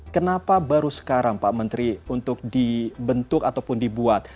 kenapa baru sekarang untuk dibentuk atau dibuat